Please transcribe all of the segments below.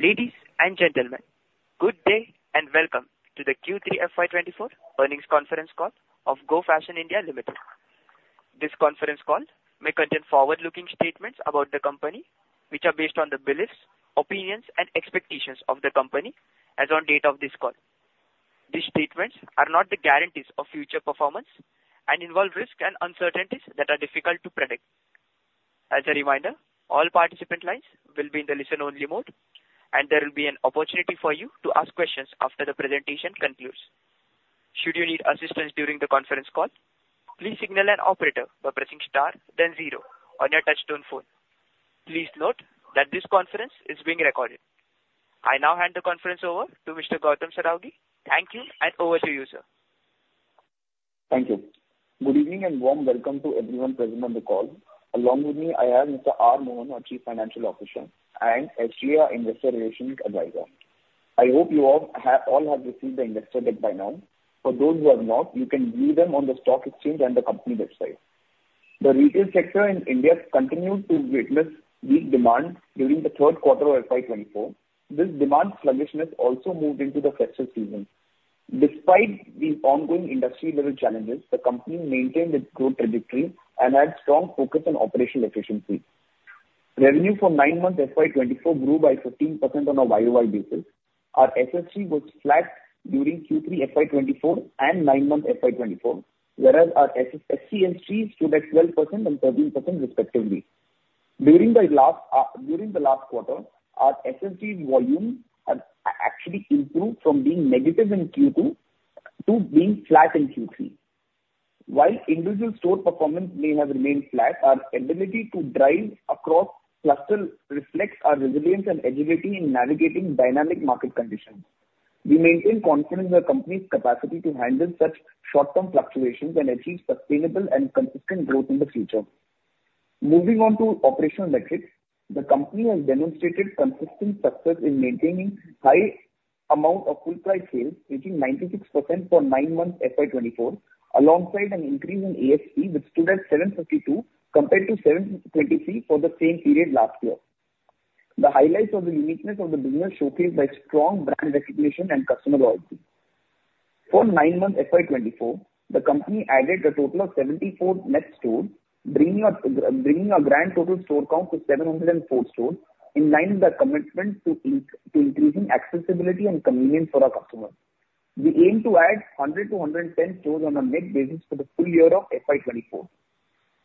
Ladies and gentlemen, good day, and welcome to the Q3 FY24 earnings conference call of Go Fashion India Limited. This conference call may contain forward-looking statements about the company, which are based on the beliefs, opinions, and expectations of the company as on date of this call. These statements are not the guarantees of future performance and involve risks and uncertainties that are difficult to predict. As a reminder, all participant lines will be in the listen-only mode, and there will be an opportunity for you to ask questions after the presentation concludes. Should you need assistance during the conference call, please signal an operator by pressing star then zero on your touchtone phone. Please note that this conference is being recorded. I now hand the conference over to Mr. Gautam Saraogi. Thank you, and over to you, sir. Thank you. Good evening, and warm welcome to everyone present on the call. Along with me, I have Mr. R Mohan, our Chief Financial Officer, and SGA, our Investor Relations advisor. I hope you all have, all have received the investor deck by now. For those who have not, you can view them on the stock exchange and the company website. The retail sector in India continued to witness weak demand during the third quarter of FY 2024. This demand sluggishness also moved into the festive season. Despite the ongoing industry-level challenges, the company maintained its growth trajectory and had strong focus on operational efficiency. Revenue for nine months, FY 2024, grew by 15% on a YOY basis. Our SSG was flat during Q3 FY 2024 and nine months FY 2024, whereas our SCSG and SCSG stood at 12% and 13% respectively. During the last quarter, our SSG volume have actually improved from being negative in Q2 to being flat in Q3. While individual store performance may have remained flat, our ability to drive across cluster reflects our resilience and agility in navigating dynamic market conditions. We maintain confidence in the company's capacity to handle such short-term fluctuations and achieve sustainable and consistent growth in the future. Moving on to operational metrics, the company has demonstrated consistent success in maintaining high amount of full price sales, which is 96% for nine months, FY24, alongside an increase in ASP, which stood at 752, compared to 723 for the same period last year. The highlights of the uniqueness of the business showcased by strong brand recognition and customer loyalty. For nine months, FY 2024, the company added a total of 74 net stores, bringing our grand total store count to 704 stores, in line with our commitment to increasing accessibility and convenience for our customers. We aim to add 100-110 stores on a net basis for the full year of FY 2024.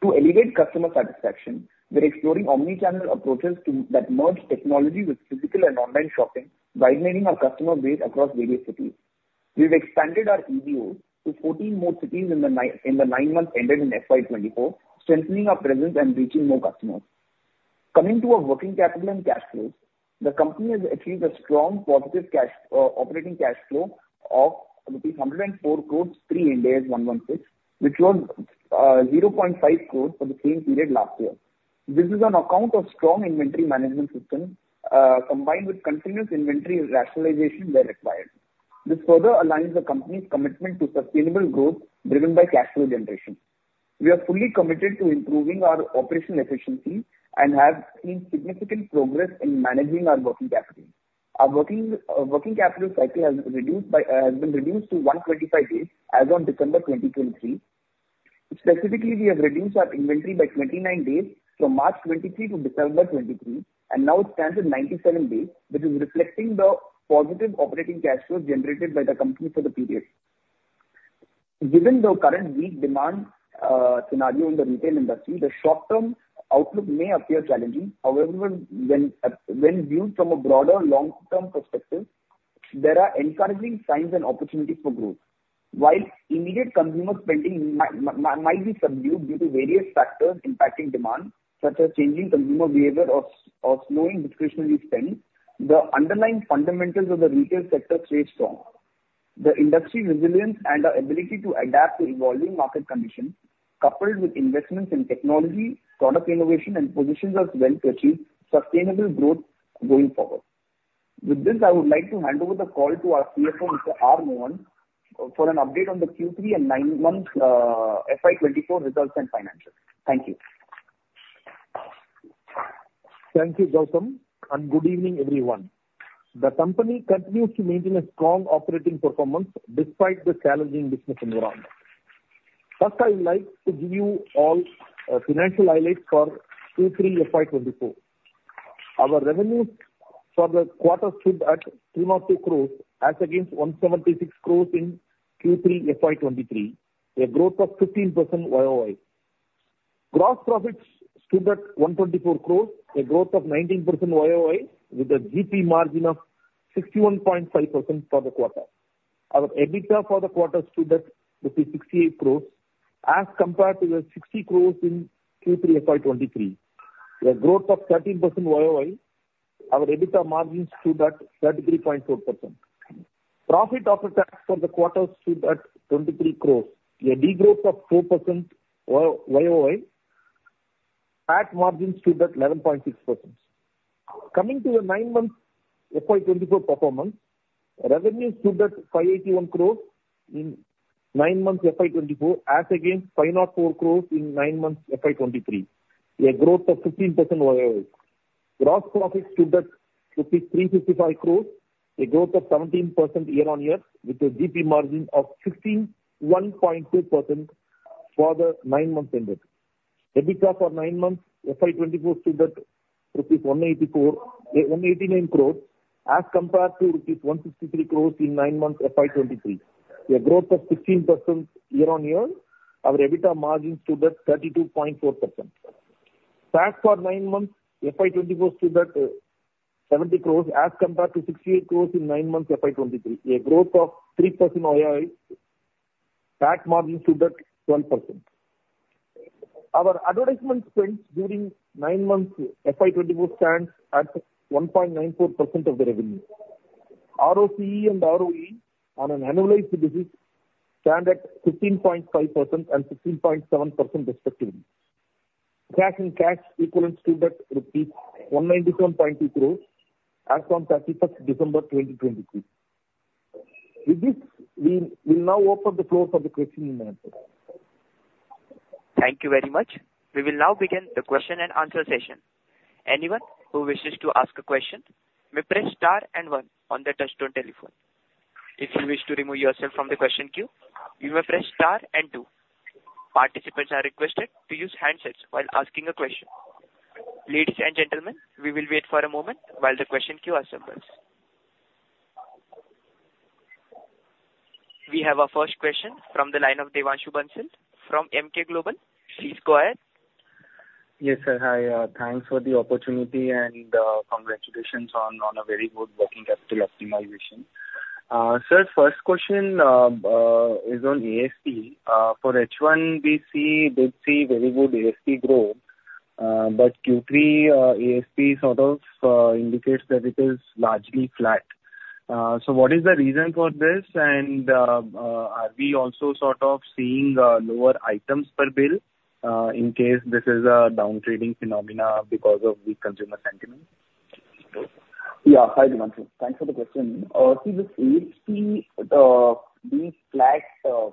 To elevate customer satisfaction, we're exploring omni-channel approaches that merge technology with physical and online shopping, widening our customer base across various cities. We've expanded our EBO to 14 more cities in the nine months ended in FY 2024, strengthening our presence and reaching more customers. Coming to our working capital and cash flows, the company has achieved a strong positive cash, operating cash flow of rupees 104 crore pre-Ind AS 116, which was 0.5 crore for the same period last year. This is on account of strong inventory management system, combined with continuous inventory rationalization where required. This further aligns the company's commitment to sustainable growth driven by cash flow generation. We are fully committed to improving our operational efficiency and have seen significant progress in managing our working capital. Our working capital cycle has been reduced to 125 days as on December 2023. Specifically, we have reduced our inventory by 29 days from March 2023 to December 2023, and now it stands at 97 days, which is reflecting the positive operating cash flows generated by the company for the period. Given the current weak demand scenario in the retail industry, the short-term outlook may appear challenging. However, when viewed from a broader long-term perspective, there are encouraging signs and opportunities for growth. While immediate consumer spending might be subdued due to various factors impacting demand, such as changing consumer behavior or slowing discretionary spend, the underlying fundamentals of the retail sector stay strong. The industry resilience and our ability to adapt to evolving market conditions, coupled with investments in technology, product innovation, and positions us well to achieve sustainable growth going forward. With this, I would like to hand over the call to our CFO, Mr. R Mohan, for an update on the Q3 and nine-month FY24 results and financials. Thank you. Thank you, Gautam, and good evening, everyone. The company continues to maintain a strong operating performance despite the challenging business environment. First, I would like to give you all financial highlights for Q3 FY 2024. Our revenues for the quarter stood at 302 crores, as against 176 crores in Q3 FY 2023, a growth of 15% YOY. Gross profits stood at 124 crores, a growth of 19% YOY, with a GP margin of 61.5% for the quarter. Our EBITDA for the quarter stood at rupees 68 crores, as compared to 60 crores in Q3 FY 2023, a growth of 13% YOY. Our EBITDA margins stood at 33.4%. Profit after tax for the quarter stood at 23 crores, a degrowth of 4% YOY, PAT margins stood at 11.6%. Coming to the nine-month FY24 performance... Revenue stood at 581 crore in nine months FY 2024, as against 504 crore in nine months FY 2023, a growth of 15% YOY. Gross profit stood at rupees 355 crore, a growth of 17% year on year, with a GP margin of 61.2% for the nine months ended. EBITDA for nine months, FY 2024, stood at 189 crore, as compared to rupees 163 crore in nine months FY 2023, a growth of 16% year on year. Our EBITDA margin stood at 32.4%. Tax for nine months, FY 2024, stood at 70 crore as compared to 68 crore in nine months FY 2023, a growth of 3% YOY. Tax margin stood at 12%. Our advertisement spends during nine months FY24 stands at 1.94% of the revenue. ROCE and ROE on an annualized basis stand at 15.5% and 16.7% respectively. Cash and cash equivalents stood at rupees 197.8 crores as on December 31, 2023. With this, we will now open the floor for the question and answer. Thank you very much. We will now begin the question and answer session. Anyone who wishes to ask a question may press star and one on their touchtone telephone. If you wish to remove yourself from the question queue, you may press star and two. Participants are requested to use handsets while asking a question. Ladies and gentlemen, we will wait for a moment while the question queue assembles. We have our first question from the line of Devanshu Bansal from Emkay Global. Please go ahead. Yes, sir. Hi, thanks for the opportunity and, congratulations on a very good working capital optimization. Sir, first question is on ASP. For H1, we see, did see very good ASP growth, but Q3, ASP sort of indicates that it is largely flat. So what is the reason for this? And, are we also sort of seeing lower items per bill, in case this is a down-trading phenomenon because of the consumer sentiment? Yeah. Hi, Devanshu. Thanks for the question. See, this ASP, being flat,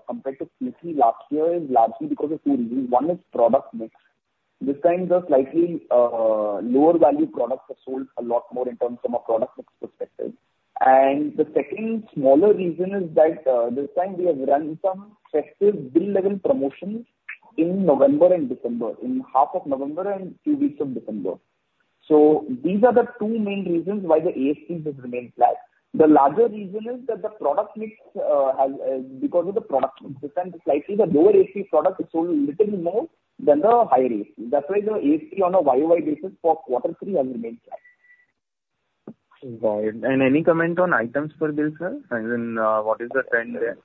compared to Q3 last year is largely because of two reasons. One is product mix. This time, the slightly, lower value products have sold a lot more in terms from a product mix perspective. And the second smaller reason is that, this time we have run some festive EBO level promotions in November and December, in half of November and few weeks of December. So these are the two main reasons why the ASP has remained flat. The larger reason is that the product mix, has, because of the product mix, this time slightly the lower ASP product is sold little more than the higher ASP. That's why the ASP on a YOY basis for quarter three has remained flat. Got it. And any comment on items per bill, sir? As in, what is the trend there?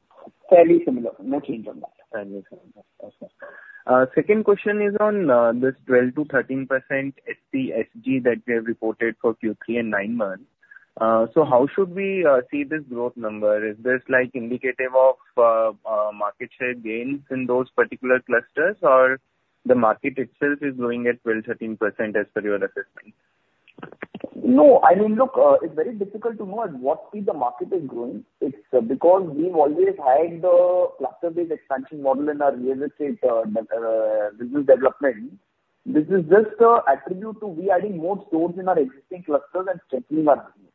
Fairly similar. No change on that. Fairly similar. Okay. Second question is on this 12%-13% SSG that we have reported for Q3 and nine months. So how should we see this growth number? Is this like indicative of market share gains in those particular clusters, or the market itself is growing at 12%-13% as per your assessment? No, I mean, look, it's very difficult to know at what speed the market is growing. It's because we've always had the cluster-based expansion model in our business development. This is just attribute to we adding more stores in our existing clusters and strengthening our business.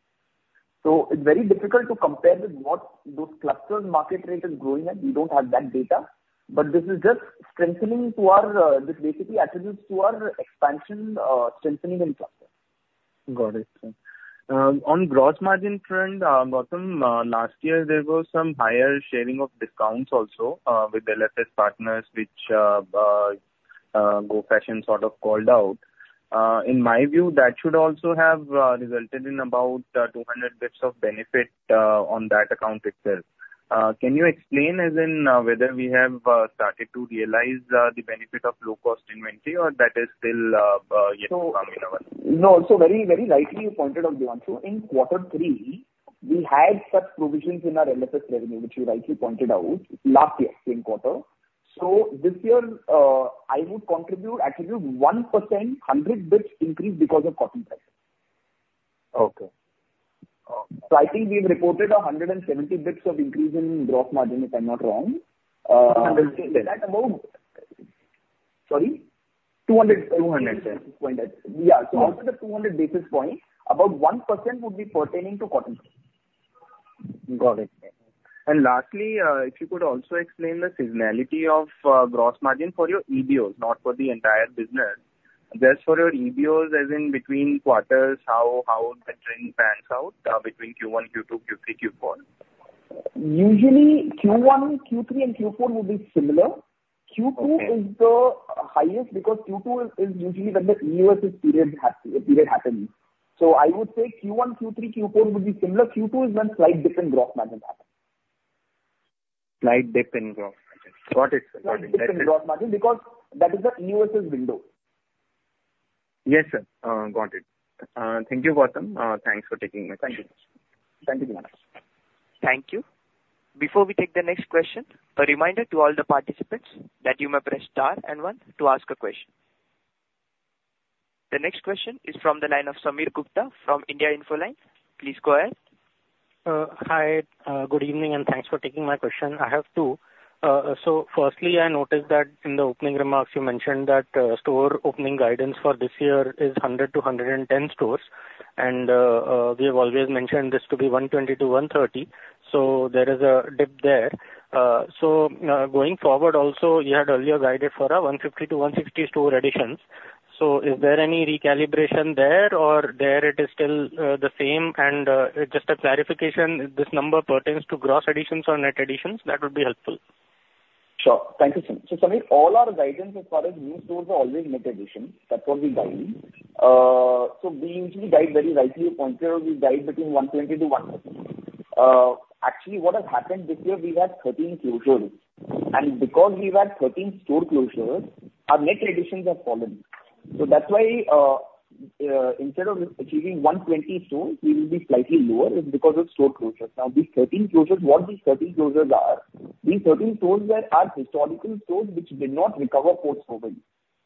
So it's very difficult to compare with what those clusters market rate is growing at. We don't have that data. But this is just strengthening to our, this basically attributes to our expansion, strengthening and cluster. Got it, sir. On gross margin front, Gautam, last year there was some higher sharing of discounts also with LFS partners, which Go Fashion sort of called out. In my view, that should also have resulted in about 200 basis points of benefit on that account itself. Can you explain as in whether we have started to realize the benefit of low-cost inventory, or that is still yet to come in our...? No. So very, very rightly you pointed out, Devanshu. In quarter three, we had such provisions in our LFS revenue, which you rightly pointed out, last year, same quarter. So this year, I would attribute 1%, 100 basis points increase because of cotton price. Okay. I think we've reported 170 basis points increase in gross margin, if I'm not wrong. Hundred bits. Sorry? 200, 200. Yeah. So out of the 200 basis points, about 1% would be pertaining to cotton price. Got it. Lastly, if you could also explain the seasonality of gross margin for your EBOs, not for the entire business. Just for your EBOs, as in between quarters, how the trend pans out between Q1, Q2, Q3, Q4? Usually, Q1, Q3 and Q4 will be similar. Okay. Q2 is the highest because Q2 is usually when the new EOSS period happens. So I would say Q1, Q3, Q4 would be similar. Q2 is when slight dip in gross margin happens. Slight dip in gross margin. Got it. Slight dip in gross margin, because that is the new EOSS window. Yes, sir. Got it. Thank you, Gautam. Thanks for taking my questions. Thank you. Thank you very much. Thank you. Before we take the next question, a reminder to all the participants that you may press star and one to ask a question... The next question is from the line of Sameer Gupta from India Infoline. Please go ahead. Hi, good evening, and thanks for taking my question. I have two. So firstly, I noticed that in the opening remarks you mentioned that store opening guidance for this year is 100-110 stores, and we have always mentioned this to be 120-130. So there is a dip there. Going forward, also, you had earlier guided for a 150-160 store additions. So is there any recalibration there, or there it is still the same? And just a clarification, if this number pertains to gross additions or net additions, that would be helpful. Sure. Thank you, Sameer. So, Sameer, all our guidance as far as new stores are always net additions. That's what we guide. So we usually guide, very rightly pointed, we guide between 120-130. Actually, what has happened this year, we've had 13 closures, and because we've had 13 store closures, our net additions have fallen. So that's why, instead of achieving 120 stores, we will be slightly lower is because of store closures. Now, these 13 closures, what these 13 closures are, these 13 stores were our historical stores, which did not recover post-COVID,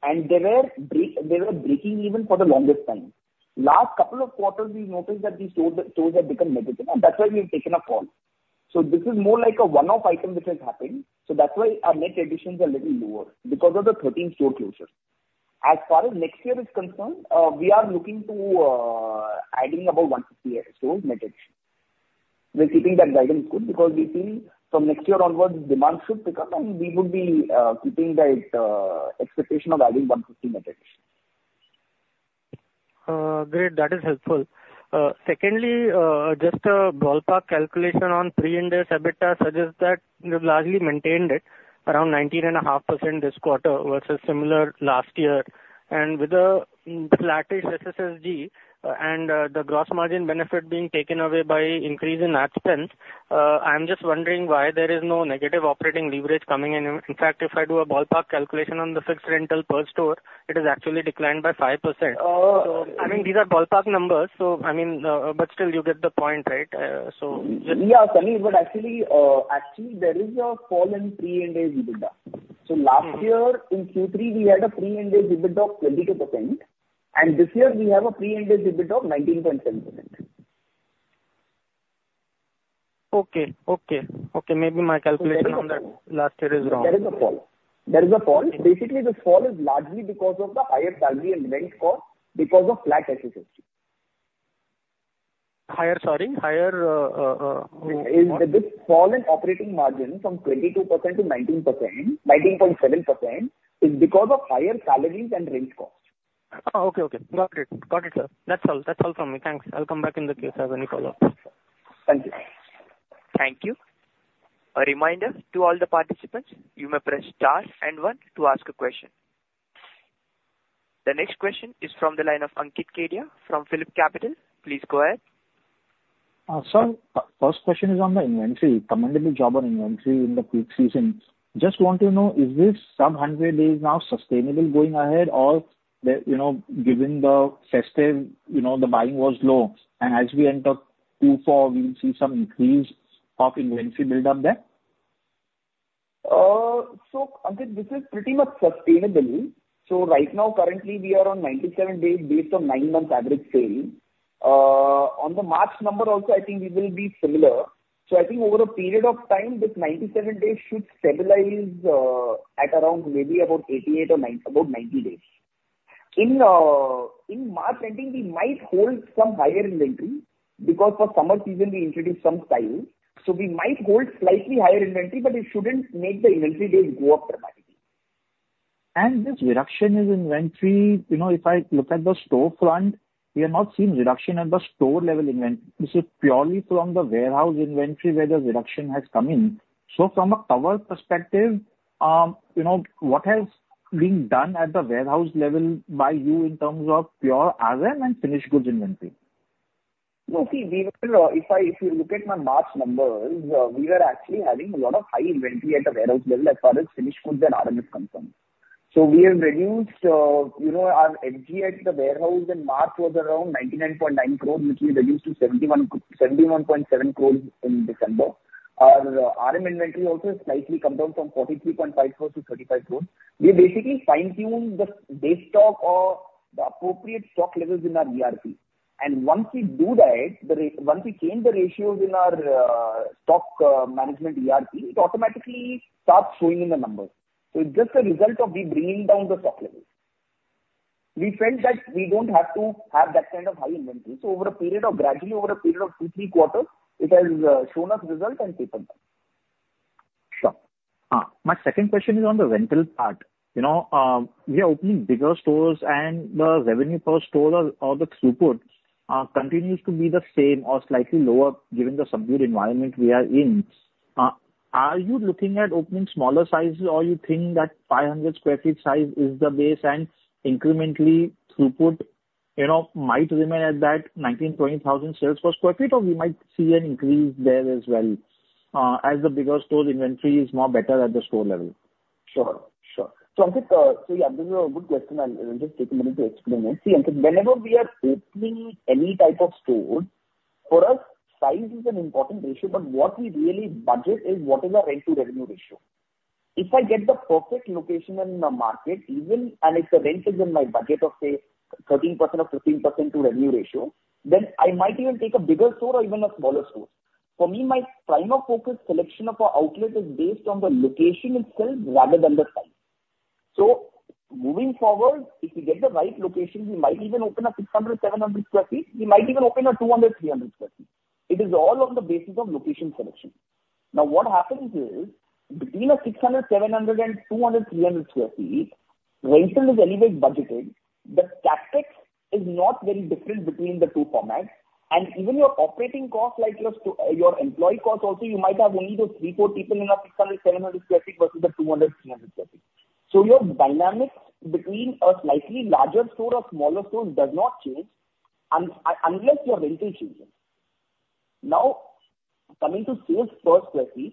and they were breaking even for the longest time. Last couple of quarters, we noticed that these stores have become negative, and that's why we have taken a call. So this is more like a one-off item which has happened, so that's why our net additions are little lower, because of the 13 store closures. As far as next year is concerned, we are looking to adding about 150 stores net addition. We're keeping that guidance good because we feel from next year onwards demand should pick up, and we would be keeping that expectation of adding 150 net additions. Great. That is helpful. Secondly, just a ballpark calculation on Pre-Ind AS EBITDA suggests that you've largely maintained it around 19.5% this quarter versus similar last year. And with the flat-ish SSSG and, the gross margin benefit being taken away by increase in ad spend, I'm just wondering why there is no negative operating leverage coming in. In fact, if I do a ballpark calculation on the fixed rental per store, it has actually declined by 5%. Uh- So, I mean, these are ballpark numbers, so, I mean, but still you get the point, right? So just- Yeah, Sameer, but actually, there is a fall in pre-Ind AS EBITDA. Mm. Last year, in Q3, we had a Pre-Ind AS EBITDA of 22%, and this year we have a Pre-Ind AS EBITDA of 19.7%. Okay. Okay, okay. Maybe my calculation on that last year is wrong. There is a fall. There is a fall. Okay. Basically, this fall is largely because of the higher salary and rent cost, because of flat SSSG. Higher, sorry, higher. Is this fall in operating margin from 22%-19%, 19.7%, because of higher salaries and rent costs? Oh, okay, okay. Got it. Got it, sir. That's all, that's all from me. Thanks. I'll come back in the queue if I have any follow-up. Thank you. Thank you. A reminder to all the participants, you may press star and One to ask a question. The next question is from the line of Ankit Kedia from PhillipCapital. Please go ahead. Sir, first question is on the inventory. Commendable job on inventory in the peak season. Just want to know, is this sub-hundred days now sustainable going ahead or the, you know, given the festive, you know, the buying was low, and as we enter Q4, we will see some increase of inventory build up there? Ankit, this is pretty much sustainable. Right now, currently we are on 97 days based on nine month average sale. On the March number also, I think we will be similar. I think over a period of time, this 97 days should stabilize, at around maybe about 88 or 89, about 90 days. In March ending, we might hold some higher inventory because for summer season we introduce some styles, so we might hold slightly higher inventory, but it shouldn't make the inventory days go up dramatically. This reduction in inventory, you know, if I look at the storefront, we have not seen reduction at the store level inventory. This is purely from the warehouse inventory where the reduction has come in. So from a cover perspective, you know, what else being done at the warehouse level by you in terms of pure RM and finished goods inventory? No, see, we were, if I, if you look at my March numbers, we were actually having a lot of high inventory at the warehouse level as far as finished goods and RM is concerned. So we have reduced, you know, our FG at the warehouse in March was around 99.9 crores, which we reduced to 71.7 crores in December. Our RM inventory also is slightly come down from 43.5 crores-35 crores. We basically fine-tune the base stock or the appropriate stock levels in our ERP, and once we do that, once we change the ratios in our stock management ERP, it automatically starts showing in the numbers. So it's just a result of we bringing down the stock levels. We felt that we don't have to have that kind of high inventory, so over a period of, gradually over a period of two, three quarters, it has, shown us result and taken time. Sure. My second question is on the rental part. You know, we are opening bigger stores, and the revenue per store or, or the throughput continues to be the same or slightly lower, given the subdued environment we are in. Are you looking at opening smaller sizes, or you think that 500 sq ft size is the base and incrementally throughput, you know, might remain at that 19,000-20,000 sales per sq ft, or we might see an increase there as well, as the bigger store inventory is more better at the store level? Sure, sure. So, Ankit, so, yeah, this is a good question. I'll, I'll just take a minute to explain it. See, Ankit, whenever we are opening any type of store, for us, size is an important ratio, but what we really budget is what is our rent-to-revenue ratio? If I get the perfect location in the market, even, and if the rent is in my budget of, say, 13% or 15% to revenue ratio, then I might even take a bigger store or even a smaller store. For me, my prime of focus selection of our outlet is based on the location itself rather than the size. So moving forward, if we get the right location, we might even open a 600 sq ft-700 sq ft. We might even open a 200 sq ft-300 sq ft. It is all on the basis of location selection. Now, what happens is, between 600 sq ft-700 sq ft and 200sq ft-300 sq ft, rental is anyways budgeted. The CapEx is not very different between the two formats, and even your operating costs, like your employee costs also, you might have only those three to four people in a 600 sq ft-700 sq ft versus the 200 sq ft-300 sq ft. So your dynamics between a slightly larger store or smaller store does not change unless your rental changes. Now, coming to sales per sq ft,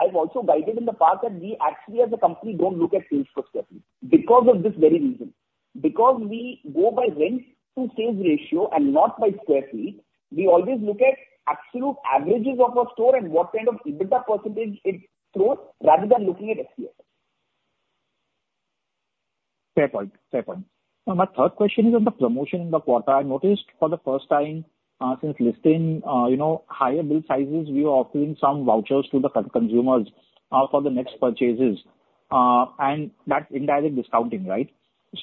I've also guided in the past that we actually as a company don't look at sales per sq ft because of this very reason. Because we go by rent to sales ratio and not by square feet, we always look at absolute averages of a store and what kind of EBITDA percentage it throws rather than looking at sq ft. Fair point. Fair point. Now, my third question is on the promotion in the quarter. I noticed for the first time, since listing, you know, higher bill sizes, we are offering some vouchers to the consumers, for the next purchases, and that's indirect discounting, right?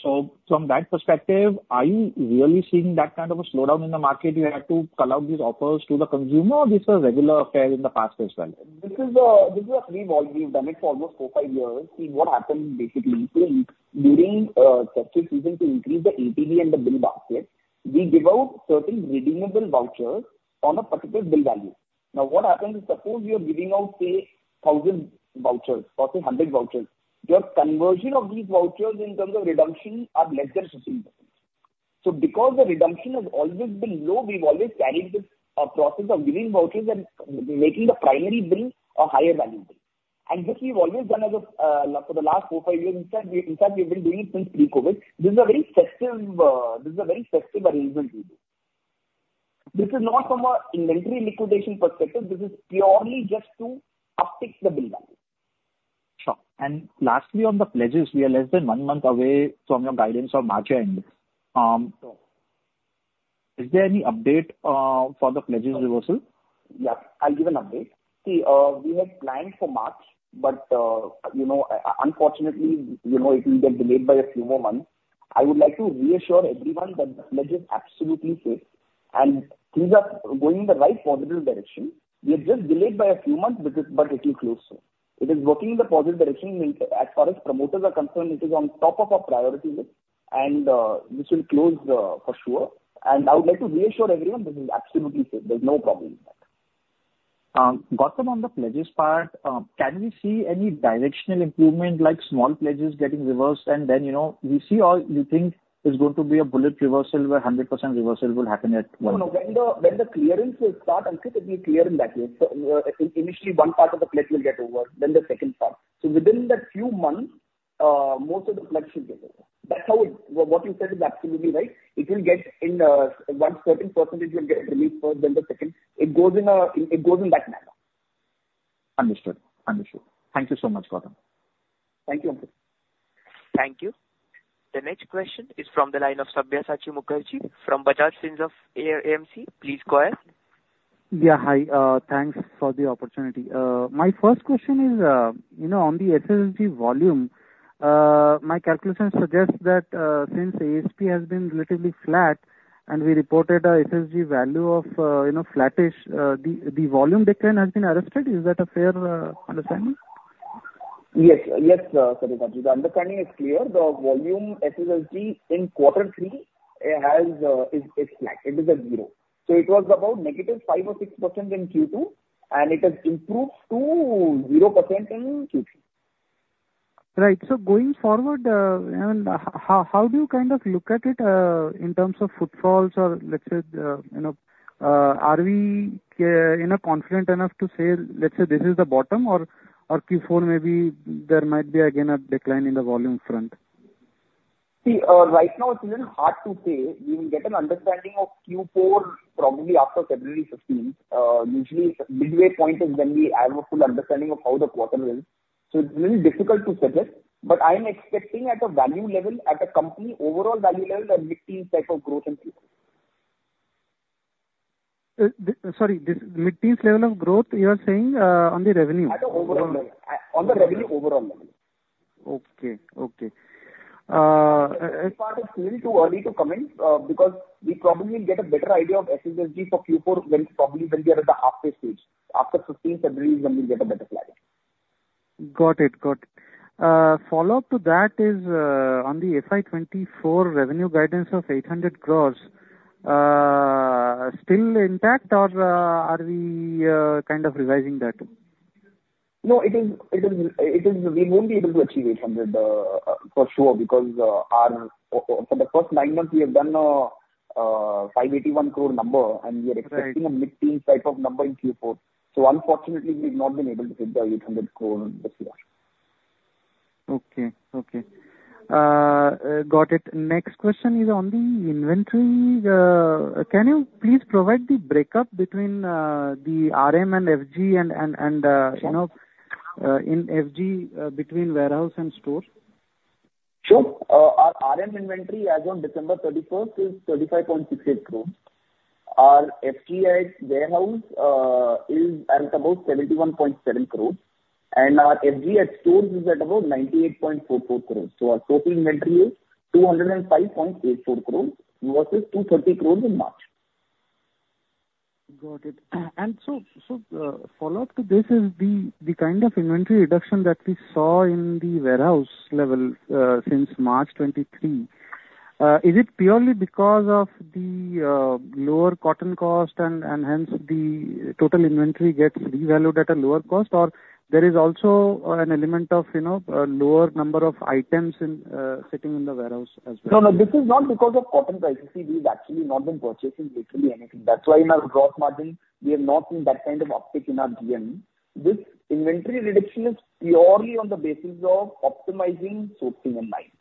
So from that perspective, are you really seeing that kind of a slowdown in the market, you have to roll out these offers to the consumer, or this is a regular affair in the past as well? This is, this is what we've done it for almost four to five years. See, what happens basically is during such a season to increase the ATV and the bill basket, we give out certain redeemable vouchers on a particular bill value. Now, what happens is, suppose you are giving out, say, 1,000 vouchers or say 100 vouchers, your conversion of these vouchers in terms of redemption are lesser sustainable. So because the redemption has always been low, we've always carried this, process of giving vouchers and making the primary bill a higher value bill. And this we've always done as a, for the last four to five years. In fact, we've been doing it since pre-COVID. This is a very festive, this is a very festive arrangement we do. This is not from an inventory liquidation perspective. This is purely just to uptick the bill value. Sure. Lastly, on the pledges, we are less than one month away from your guidance on March end. Is there any update for the pledges reversal? Yeah, I'll give an update. See, we had planned for March, but, you know, unfortunately, you know, it will get delayed by a few more months. I would like to reassure everyone that the pledge is absolutely safe, and things are going in the right, positive direction. We are just delayed by a few more months, but it will close soon. It is working in the positive direction. And as far as promoters are concerned, it is on top of our priority list, and this will close for sure. And I would like to reassure everyone this is absolutely safe. There's no problem with that. Gautam, on the pledges part, can we see any directional improvement, like small pledges getting reversed and then, you know, we see all you think is going to be a bullet reversal where 100% reversal will happen at once? No, no. When the clearance will start, Ankit, it'll be clear in that way. So, initially one part of the pledge will get over, then the second part. So within that few months, most of the pledge will get over. That's how it... What you said is absolutely right. It will get in, one certain percentage will get released first, then the second. It goes in a, it goes in that manner. Understood. Understood. Thank you so much, Gautam. Thank you, Ankit. Thank you. The next question is from the line of Sabyasachi Mukherjee from Bajaj Finserv AMC. Please go ahead. Yeah, hi. Thanks for the opportunity. My first question is, you know, on the SSG volume, my calculations suggest that, since ASP has been relatively flat and we reported a SSG value of, you know, flattish, the volume decline has been arrested. Is that a fair understanding? Yes. Yes, Sabyasachi. The understanding is clear. The volume SSG in quarter three, it has, it’s flat. It is at zero. So it was about negative 5 or 6% in Q2, and it has improved to 0% in Q3. Right. So going forward, and how do you kind of look at it, in terms of footfalls or let's say, you know, are we, you know, confident enough to say, let's say this is the bottom or, or Q4, maybe there might be again a decline in the volume front? See, right now it's even hard to say. We will get an understanding of Q4 probably after February fifteenth. Usually midway point is when we have a full understanding of how the quarter went. So it's really difficult to suggest, but I'm expecting at a value level, at a company overall value level, a mid-teen type of growth in Q4. Sorry, this mid-teens level of growth you are saying on the revenue? At the overall level. On the revenue overall level. Okay. Okay. This part is still too early to comment, because we probably will get a better idea of SSG for Q4 when, probably when we are at the halfway stage, after fifteenth February is when we'll get a better clarity. Got it. Got it. Follow-up to that is on the FY24 revenue guidance of 800 crore, still intact or are we kind of revising that? No, it is. We won't be able to achieve 800 crore, for sure, because our for the first nine months, we have done 581 crore number- Right. We are expecting a mid-teen type of number in Q4. So unfortunately, we've not been able to hit 800 crore this year.... Okay, okay. Got it. Next question is on the inventory. Can you please provide the break-up between the RM and FG, and you know, in FG, between warehouse and store? Sure. Our RM inventory as on December 31st is 35.68 crores. Our FG at warehouse is at about 71.7 crores, and our FG at stores is at about 98.44 crores. So our total inventory is 205.84 crores versus 230 crores in March. Got it. And follow-up to this is the kind of inventory reduction that we saw in the warehouse level since March 2023, is it purely because of the lower cotton cost and hence the total inventory gets revalued at a lower cost, or there is also an element of, you know, a lower number of items in sitting in the warehouse as well? No, no, this is not because of cotton prices. See, we've actually not been purchasing literally anything. That's why in our gross margin, we have not seen that kind of uptick in our GM. This inventory reduction is purely on the basis of optimizing sourcing and buying.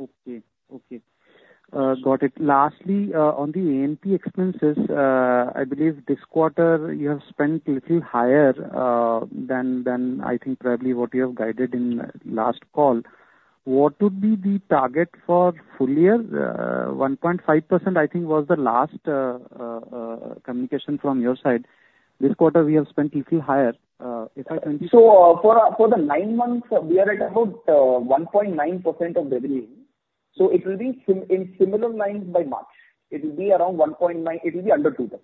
Okay, okay. Got it. Lastly, on the A&P expenses, I believe this quarter you have spent little higher than I think probably what you have guided in last call. What would be the target for full year? One point five percent I think was the last communication from your side. This quarter we have spent little higher, if I- So for the nine months, we are at about 1.9% of the revenue, so it will be in similar lines by March. It will be around 1.9%. It will be under 2%.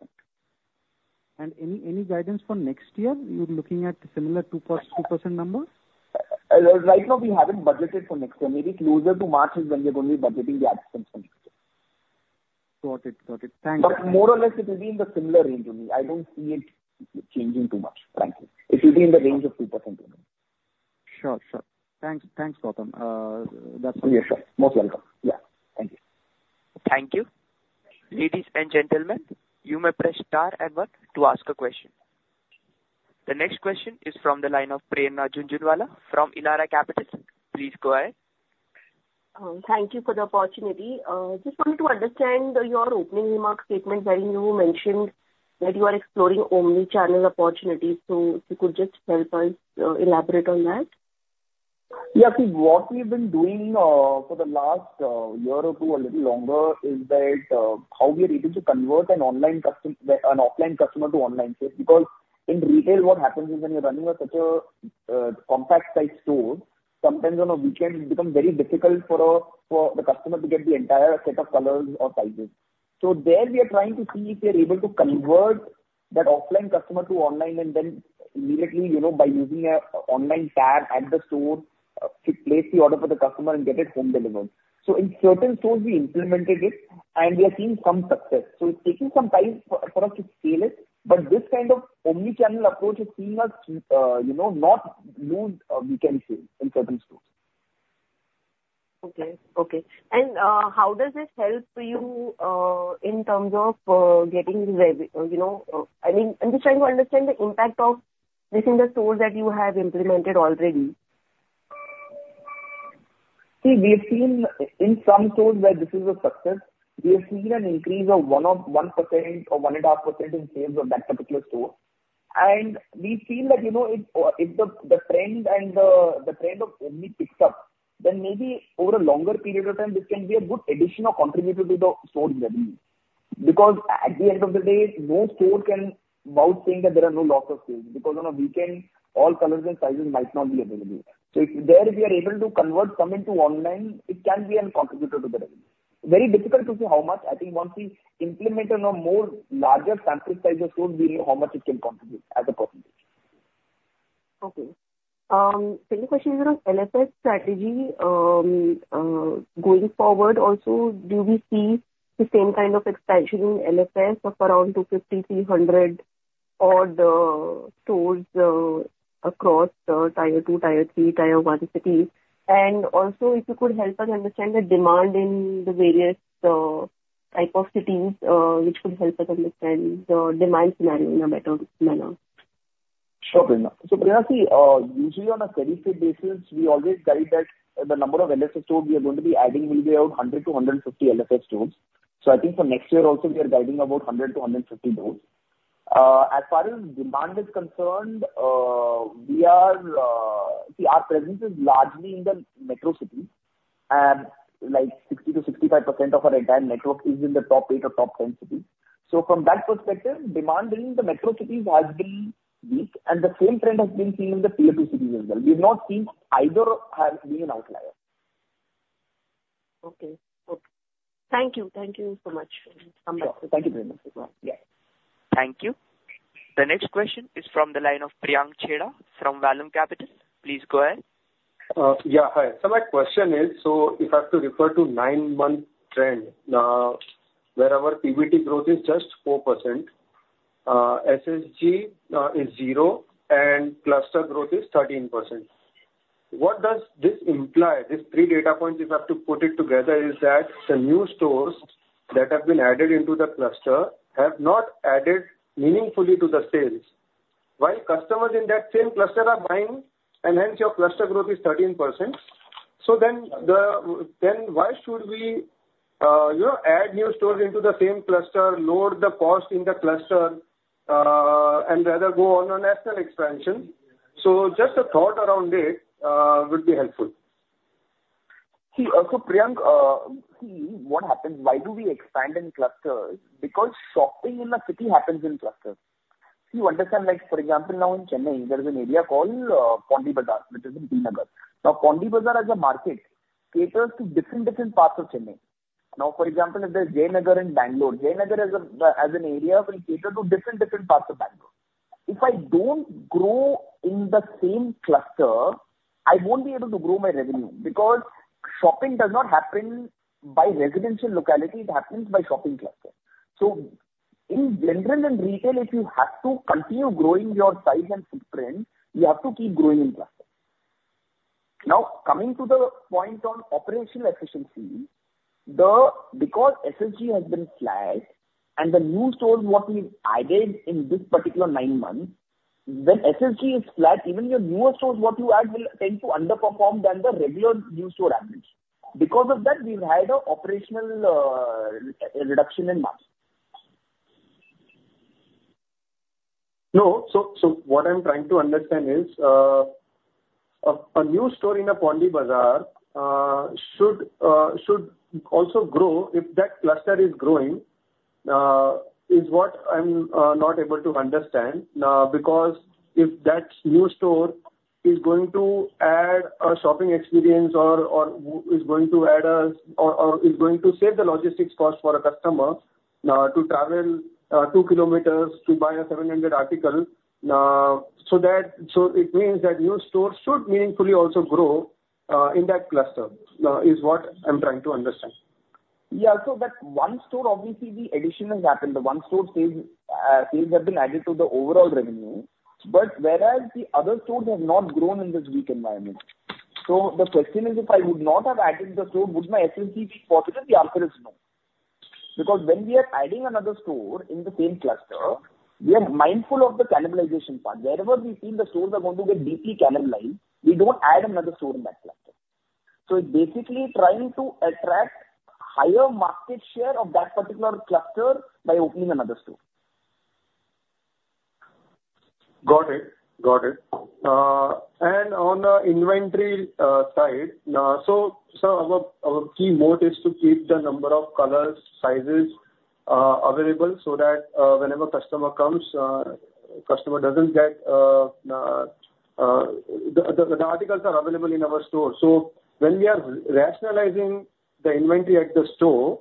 Any, any guidance for next year? You're looking at similar 2%, 2% number? Right now, we haven't budgeted for next year. Maybe closer to March is when we're going to be budgeting the ad spends for next year. Got it. Got it. Thank you. But more or less it will be in the similar range only. I don't see it changing too much, frankly. It will be in the range of 2% only. Sure, sure. Thanks. Thanks, Gautam. Yeah, sure. Most welcome. Yeah. Thank you. Thank you. Ladies and gentlemen, you may press star and one to ask a question. The next question is from the line of Prerna Jhunjhunwala from Elara Capital. Please go ahead. Thank you for the opportunity. Just wanted to understand your opening remark statement, where you mentioned that you are exploring Omni-channel opportunities. If you could just help us, elaborate on that? Yeah. See, what we've been doing for the last year or two, a little longer, is that how we are able to convert an online customer- an offline customer to online sales. Because in retail, what happens is, when you're running such a compact type store, sometimes on a weekend it become very difficult for the customer to get the entire set of colors or sizes. So there we are trying to see if we are able to convert that offline customer to online and then immediately, you know, by using an online tab at the store to place the order for the customer and get it home delivered. So in certain stores we implemented it, and we are seeing some success. It's taking some time for us to scale it, but this kind of omni-channel approach is seeing us, you know, not lose weekend sales in certain stores. Okay, okay. And, how does this help you in terms of, you know, I mean, I'm just trying to understand the impact of this in the stores that you have implemented already? See, we have seen in some stores where this is a success, we have seen an increase of 1% or 1% or 1.5% in sales of that particular store. We feel that, you know, if the trend of omni picks up, then maybe over a longer period of time, this can be a good addition or contributor to the store's revenue. Because at the end of the day, no store can boast saying that there are no lost sales, because on a weekend, all colors and sizes might not be available. So if we are able to convert some into online, it can be a contributor to the revenue. Very difficult to say how much. I think once we implement on a more larger sample size of stores, we'll know how much it can contribute as a percentage. Okay. Second question is on LFS strategy. Going forward also, do we see the same kind of expansion in LFS of around 250-300 stores across the Tier 1, Tier 3, Tier 1 cities? And also, if you could help us understand the demand in the various type of cities, which could help us understand the demand scenario in a better manner. Sure, Prerna. So Prerna, see, usually on a steady state basis, we always guide that, the number of LFS stores we are going to be adding will be around 100-150 LFS stores. So I think for next year also we are guiding about 100-150 stores. As far as demand is concerned, we are, see, our presence is largely in the metro cities, and like 60-65% of our entire network is in the top 8 or top 10 cities. So from that perspective, demand in the metro cities has been weak, and the same trend has been seen in the Tier 2 cities as well. We've not seen either as being an outlier. Okay. Okay. Thank you. Thank you so much. Sure. Thank you very much. Yeah. Thank you. The next question is from the line of Priyank Chheda from Vallum Capital. Please go ahead. Yeah, hi. So my question is, so if I have to refer to nine-month trend, SSG is zero, and cluster growth is 13%.... What does this imply? These three data points, if I have to put it together, is that the new stores that have been added into the cluster have not added meaningfully to the sales, while customers in that same cluster are buying, and hence your cluster growth is 13%. So then why should we, you know, add new stores into the same cluster, lower the cost in the cluster, and rather go on a national expansion? So just a thought around it, would be helpful. See, so, Priyank, see what happens, why do we expand in clusters? Because shopping in a city happens in clusters. You understand, like for example, now in Chennai, there is an area called Pondy Bazaar, which is in T. Nagar. Now, Pondy Bazaar as a market caters to different, different parts of Chennai. Now, for example, if there's Jayanagar in Bengaluru, Jayanagar as a, as an area will cater to different, different parts of Bengaluru. If I don't grow in the same cluster, I won't be able to grow my revenue, because shopping does not happen by residential locality, it happens by shopping cluster. So in general, in retail, if you have to continue growing your size and footprint, you have to keep growing in cluster. Now, coming to the point on operational efficiency, because SSG has been flat and the new stores what we've added in this particular nine months, when SSG is flat, even your newer stores, what you add, will tend to underperform than the regular new store average. Because of that, we've had an operational reduction in margins. No. So what I'm trying to understand is a new store in Pondy Bazaar should also grow if that cluster is growing, is what I'm not able to understand. Because if that new store is going to add a shopping experience or is going to save the logistics cost for a customer to travel two kilometers to buy a 700 article. So it means that new store should meaningfully also grow in that cluster, is what I'm trying to understand. Yeah. So that one store, obviously, the addition has happened. The one store sales, sales have been added to the overall revenue, but whereas the other stores have not grown in this weak environment. So the question is, if I would not have added the store, would my SSG be positive? The answer is no. Because when we are adding another store in the same cluster, we are mindful of the cannibalization part. Wherever we feel the stores are going to get deeply cannibalized, we don't add another store in that cluster. So it's basically trying to attract higher market share of that particular cluster by opening another store. Got it. Got it. And on the inventory side, so our key moat is to keep the number of colors, sizes available, so that whenever customer comes, customer doesn't get the articles are available in our store. So when we are rationalizing the inventory at the store,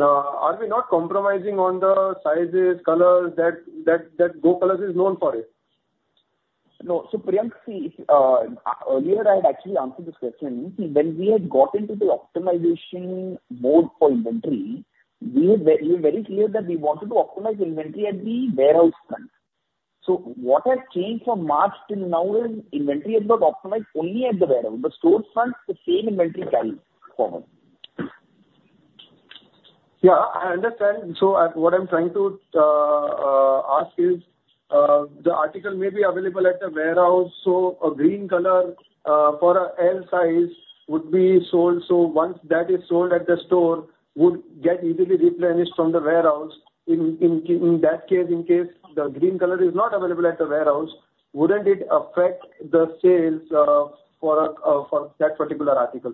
are we not compromising on the sizes, colors that Go Colors is known for it? No. So, Priyank, see, earlier I had actually answered this question. See, when we had got into the optimization mode for inventory, we were very, we were very clear that we wanted to optimize inventory at the warehouse front. So what has changed from March till now is inventory is not optimized only at the warehouse. The store front, the same inventory carry forward. Yeah, I understand. So what I'm trying to ask is, the article may be available at the warehouse, so a green color for a L size would be sold. So once that is sold at the store, would get easily replenished from the warehouse. In that case, in case the green color is not available at the warehouse, wouldn't it affect the sales for that particular article?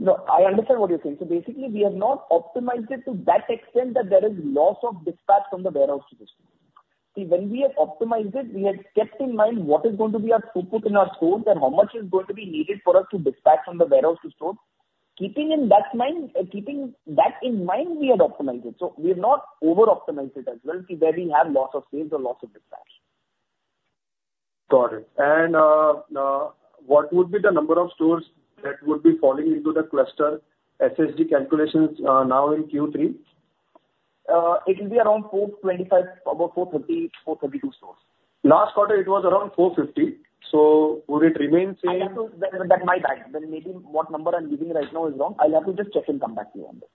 No, I understand what you're saying. So basically, we have not optimized it to that extent that there is loss of dispatch from the warehouse to the store. See, when we have optimized it, we had kept in mind what is going to be our throughput in our stores and how much is going to be needed for us to dispatch from the warehouse to store. Keeping in that mind, keeping that in mind, we had optimized it, so we have not over-optimized it as well, see, where we have loss of sales or loss of dispatch. Got it. And what would be the number of stores that would be falling into the cluster SSG calculations, now in Q3? It will be around 425, about 430, 432 stores. Last quarter it was around 450, so would it remain same? That might be. Then maybe what number I'm giving right now is wrong. I'll have to just check and come back to you on this.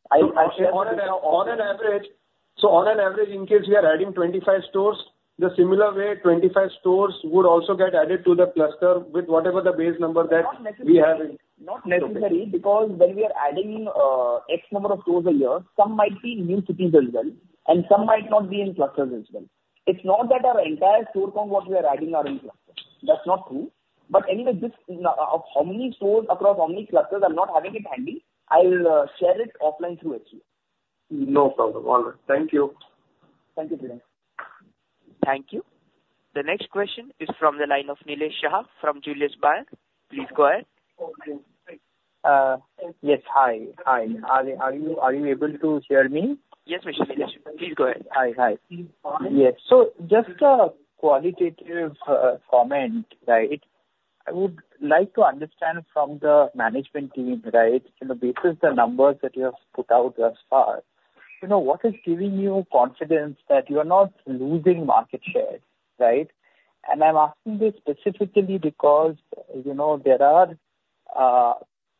On average, in case we are adding 25 stores, in the similar way, 25 stores would also get added to the cluster with whatever the base number that we have. Not necessary. Not necessary, because when we are adding X number of stores a year, some might be in new cities as well, and some might not be in clusters as well. It's not that our entire store count, what we are adding are in clusters. That's not true. But anyway, this of how many stores across how many clusters, I'm not having it handy. I'll share it offline through email. No problem. All right. Thank you. Thank you, Priyank. Thank you. The next question is from the line of Nilesh Saha from Julius Baer. Please go ahead. Yes, hi. Hi. Are, are you, are you able to hear me? Yes, Mr. Nilesh, please go ahead. Hi. Hi. Yes. So just a qualitative comment, right? I would like to understand from the management team, right, you know, based the numbers that you have put out thus far. You know, what is giving you confidence that you are not losing market share, right? And I'm asking this specifically because, you know, there are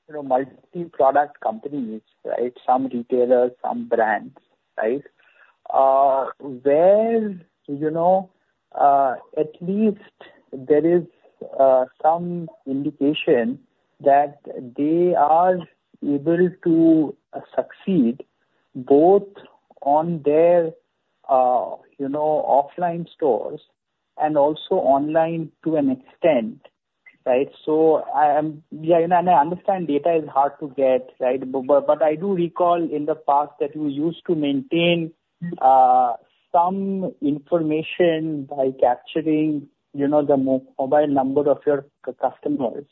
multi-product companies, right? Some retailers, some brands, right? Where, you know, at least there is some indication that they are able to succeed both on their, you know, offline stores and also online to an extent, right? So I am, yeah, and I understand data is hard to get, right, but I do recall in the past that you used to maintain some information by capturing, you know, the mobile number of your customers.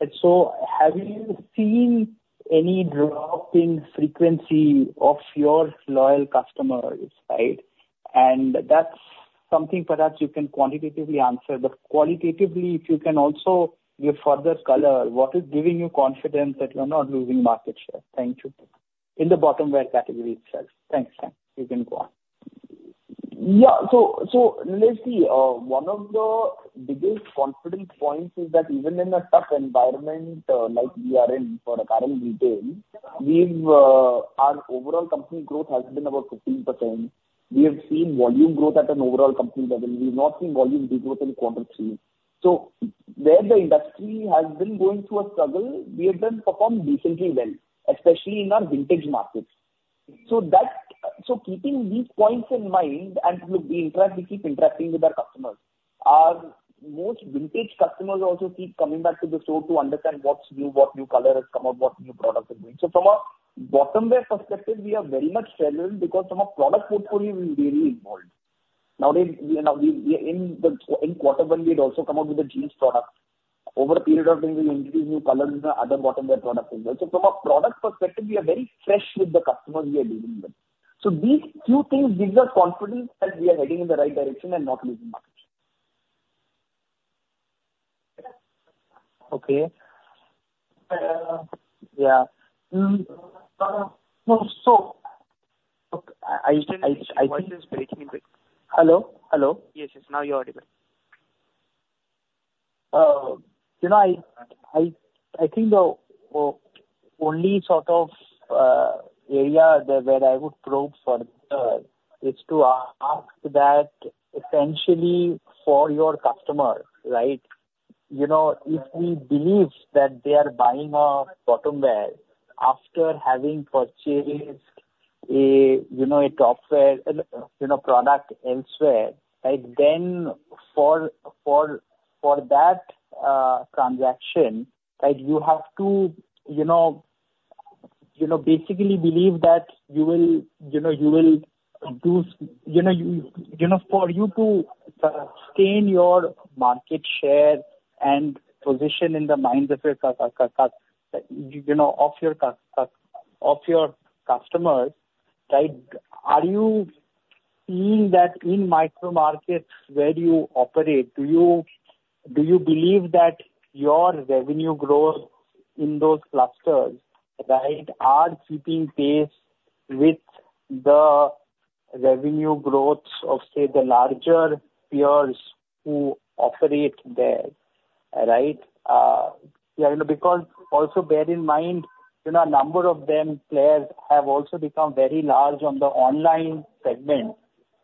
And so have you seen any drop in frequency of your loyal customers, right? And that's something perhaps you can quantitatively answer. But qualitatively, if you can also give further color, what is giving you confidence that you're not losing market share? Thank you. In the bottomwear category itself. Thanks. You can go on. Yeah. So, so let's see. One of the biggest confidence points is that even in a tough environment, like we are in for current retail, we've, our overall company growth has been about 15%. We have seen volume growth at an overall company level. We've not seen volume decline in Quarter Three. So where the industry has been going through a struggle, we have done performed decently well, especially in our vintage markets. So that—So keeping these points in mind, and look, we interact, we keep interacting with our customers. Our most vintage customers also keep coming back to the store to understand what's new, what new color has come out, what new products are doing. So from a bottom wear perspective, we are very much relevant because from a product portfolio, we're really involved. Now, in quarter one, we had also come out with a jeans product. Over a period of time, we'll introduce new colors in the other bottom wear products as well. So from a product perspective, we are very fresh with the customers we are dealing with. So these few things gives us confidence that we are heading in the right direction and not losing market share. Okay. Voice is breaking a bit. Hello? Hello. Yes, yes, now you're audible. You know, I think the only sort of area that where I would probe further is to ask that essentially for your customer, right? You know, if we believe that they are buying a bottom wear after having purchased a, you know, a top wear, you know, product elsewhere, like, then for that transaction, like, you have to, you know, basically believe that you will, you know, you will do... You know, you know, for you to gain your market share and position in the minds of your customers, right? Are you seeing that in micro markets where you operate, do you believe that your revenue growth in those clusters, right, are keeping pace with the revenue growths of, say, the larger peers who operate there, right? Yeah, you know, because also bear in mind, you know, a number of them players have also become very large on the online segment,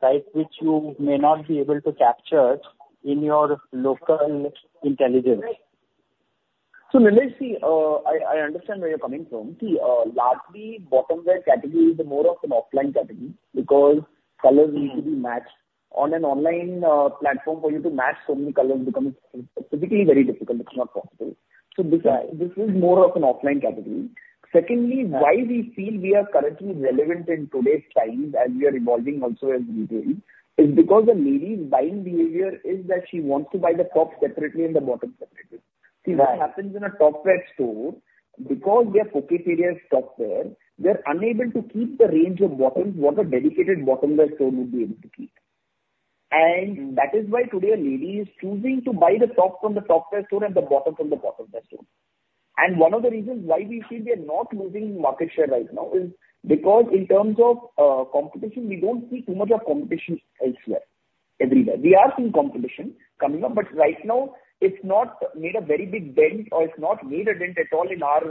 right? Which you may not be able to capture in your local intelligence. So, Nilesh, see, I, I understand where you're coming from. See, largely, bottom wear category is more of an offline category because colors need to be matched. On an online platform for you to match so many colors becomes physically very difficult. It's not possible. So this, this is more of an offline category. Secondly, why we feel we are currently relevant in today's times, as we are evolving also as retail, is because the lady's buying behavior is that she wants to buy the top separately and the bottom separately. Yeah. See, what happens in a topwear store, because their focus area is topwear, they're unable to keep the range of bottoms what a dedicated bottomwear store would be able to keep. And that is why today a lady is choosing to buy the top from the topwear store and the bottom from the bottomwear store. And one of the reasons why we feel we are not losing market share right now is because in terms of competition, we don't see too much of competition elsewhere, everywhere. We are seeing competition coming up, but right now it's not made a very big dent or it's not made a dent at all in our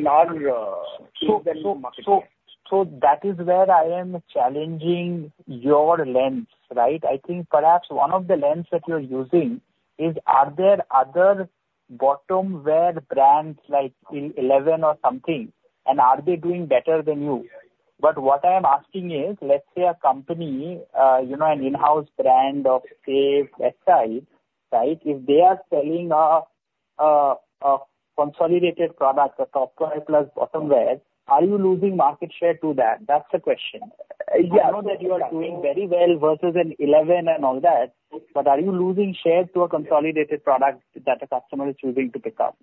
market share. So, so, so that is where I am challenging your lens, right? I think perhaps one of the lens that you're using is, are there other bottom wear brands like Eleven or something, and are they doing better than you? But what I am asking is, let's say a company, you know, an in-house brand of, say, textile, right? If they are selling a consolidated product, a top wear plus bottom wear, are you losing market share to that? That's the question. Yeah. I know that you are doing very well versus an Eleven and all that, but are you losing shares to a consolidated product that a customer is choosing to pick up?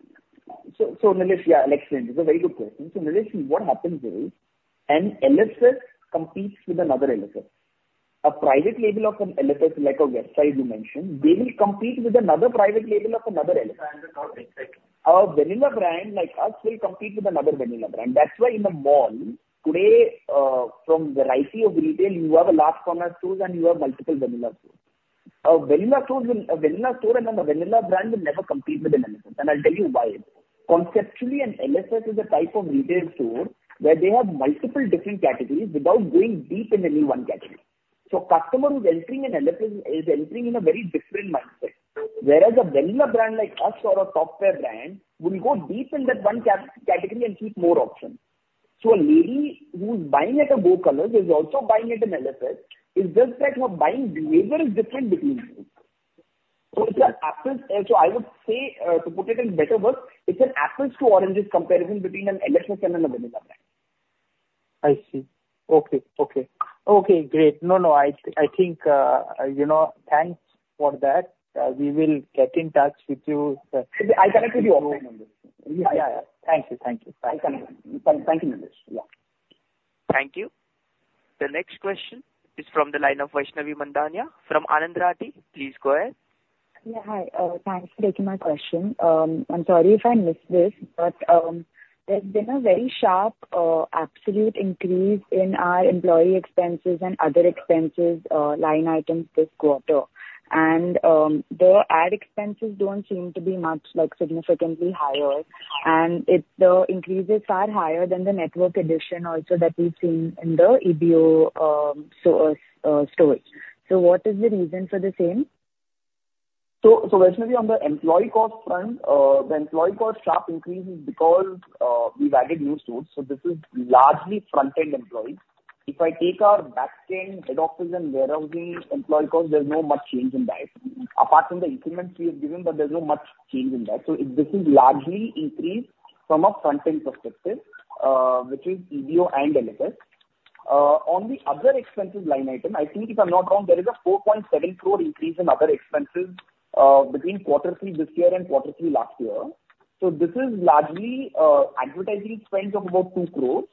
So, so, Nilesh, yeah, I'll explain. It's a very good question. So, Nilesh, what happens is an LFS competes with another LFS. A private label of an LFS, like a Westside you mentioned, they will compete with another private label of another LFS. Understood, exactly. A vanilla brand like us will compete with another vanilla brand. That's why in the mall today, from the variety of retail, you have a large format stores and you have multiple vanilla stores. A vanilla store and then a vanilla brand will never compete with an LFS, and I'll tell you why. Conceptually, an LFS is a type of retail store where they have multiple different categories without going deep into any one category. So a customer who's entering an LFS is entering in a very different mindset. Whereas a vanilla brand like us or a software brand, will go deep in that one category and keep more options. So a lady who's buying at a Go Colors is also buying at an LFS, it's just that her buying behavior is different between two. So it's an apples... So I would say, to put it in better words, it's an apples to oranges comparison between an LFS and a vanilla brand. I see. Okay. Okay. Okay, great. No, no, I think, you know, thanks for that. We will get in touch with you. I'll connect with you offline. Yeah. Thank you, thank you. Bye. Thank you, Nilesh. Yeah. Thank you. The next question is from the line of Vaishnavi Mandhaniya from Anand Rathi. Please go ahead. Yeah, hi. Thanks for taking my question. I'm sorry if I missed this, but there's been a very sharp absolute increase in our employee expenses and other expenses line items this quarter. And the ad expenses don't seem to be much, like, significantly higher, and it's the increases are higher than the network addition also that we've seen in the EBO store storage. So what is the reason for the same? So, Vaishnavi, on the employee cost front, the employee cost sharp increase is because we've added new stores, so this is largely front-end employees. If I take our back-end head office and warehousing employee cost, there's no much change in that. Apart from the increments we have given, but there's no much change in that. So this is largely increased from a front-end perspective, which is EBO and LFS. On the other expenses line item, I think if I'm not wrong, there is a 4.7 crore increase in other expenses, between quarter three this year and quarter three last year. So this is largely, advertising spend of about 2 crore,